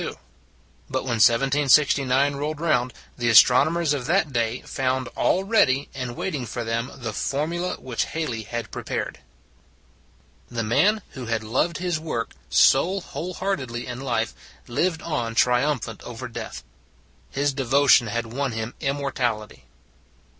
But when 1769 rolled round, the as tronomers of that day found all ready and waiting for them the formulas which Hal ley had prepared. The man who had loved his work so whole heartedly in life lived on triumphant In Love with Your Job 185 over death. His devotion had won him immortality.